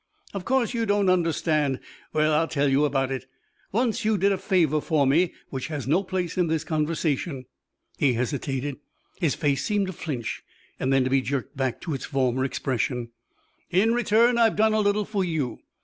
"Of course you don't understand. Well, I'll tell you about it. Once you did a favour for me which has no place in this conversation." He hesitated; his face seemed to flinch and then to be jerked back to its former expression. "In return I've done a little for you.